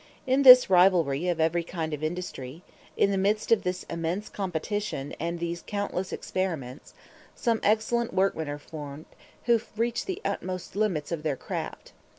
In this rivalry of every kind of industry in the midst of this immense competition and these countless experiments, some excellent workmen are formed who reach the utmost limits of their craft.